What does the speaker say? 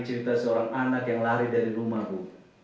cerita seorang anak yang lari dari rumah bu